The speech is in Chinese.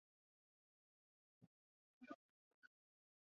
普卢埃斯卡。